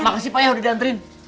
makasih pak ya udah diantarin